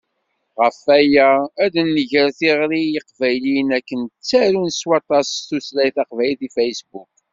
Ɣef waya, ad d-nger tiɣri i Yiqbayliyen akken ad ttarun s waṭas s tutlayt taqbaylit deg Facebook.